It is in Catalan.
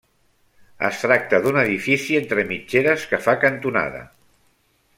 Es tracta d'un edifici entre mitgeres que fa cantonada.